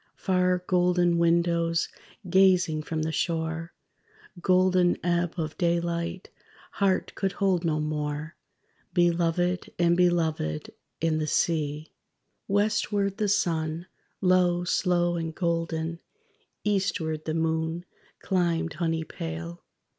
Far, golden windows gazing from the shore; Golden ebb of daylight; heart could hold no more: Belovèd and Belovèd, and the sea._ _Westward the sun, low, slow and golden; Eastward the moon climbed, honey pale.